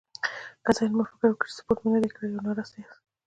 که ذهن مو فکر وکړي چې سپورت مو نه دی کړی او ناراسته ياست.